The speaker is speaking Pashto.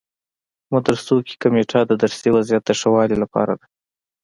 مدرسو کمیټه د درسي وضعیت د ښه والي لپاره ده.